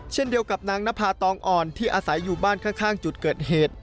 เช่นเดียวกับนางนภาตองอ่อนที่อาศัยอยู่บ้านข้างจุดเกิดเหตุ